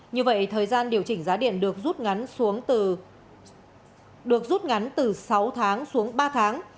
như vậy thời gian điều chỉnh giá điện được rút ngắn từ sáu tháng xuống ba tháng